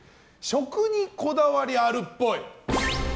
食にこだわりあるっぽい。